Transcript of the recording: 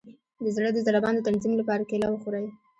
د زړه د ضربان د تنظیم لپاره کیله وخورئ